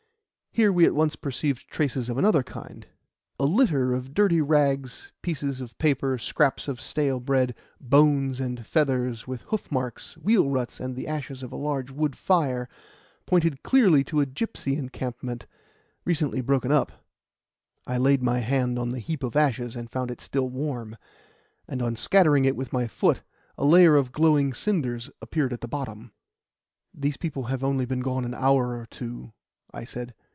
Here we at once perceived traces of another kind. A litter of dirty rags, pieces of paper, scraps of stale bread, bones and feathers, with hoof marks, wheel ruts, and the ashes of a large wood fire, pointed clearly to a gipsy encampment recently broken up. I laid my hand on the heap of ashes, and found it still warm, and on scattering it with my foot a layer of glowing cinders appeared at the bottom. "These people have only been gone an hour or two," I said.